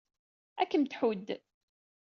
Ad kem-tḥudd.